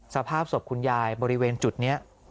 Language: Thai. สภาพศพคุณยายบริเวณจุดนี้